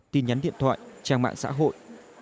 tin nhắn điện thoại trang mạng xã hội